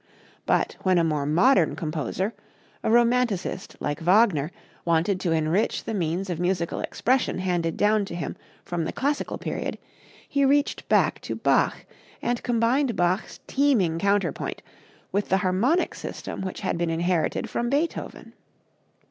But when a more modern composer, a romanticist like Wagner, wanted to enrich the means of musical expression handed down to him from the classical period, he reached back to Bach and combined Bach's teeming counterpoint with the harmonic system which had been inherited from Beethoven.